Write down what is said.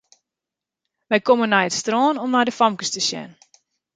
Wy komme nei it strân om nei de famkes te sjen.